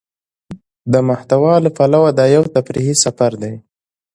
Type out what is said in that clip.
د محتوا له پلوه دا يو تفريحي سفر دى.